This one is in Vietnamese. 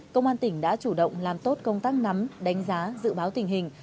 công an tỉnh đã chủ động làm tốt công tác nắm đánh giá dự báo tình hình